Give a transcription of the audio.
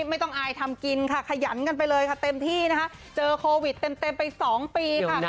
ไม่ต้องอายทำกินค่ะขยันกันไปเลยค่ะเต็มที่นะคะเจอโควิดเต็มไป๒ปีค่ะ